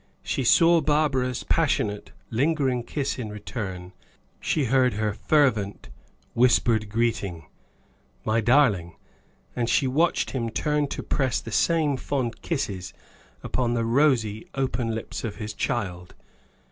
She saw Barbara's passionate, lingering kiss in return, she heard her fervent, whispered greeting, "My darling!" and she watched him turn to press the same fond kisses on the rosy open lips of his child.